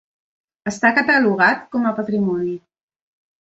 Està catalogat com a patrimoni.